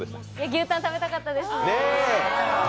牛たん、食べたかったですね。